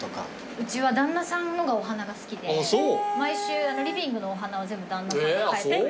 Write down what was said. うちは旦那さんのがお花が好きで毎週リビングのお花を全部旦那さんが替えてくれて。